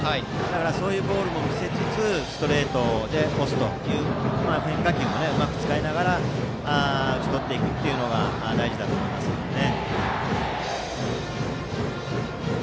そういうボールも見せつつストレートで押すという変化球もうまく使いながら打ち取っていくのは大事だと思いますのでね。